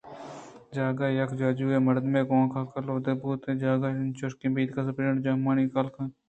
جاگہے ءَ یک آجو ئیں مردمے ءِ گونگ ءَ کلوہ دیگ بوتگ اَت ءُجاگہے انچوش کہ میتگ ءِسپرنٹنڈنٹ چمانی کلّءَ اِنت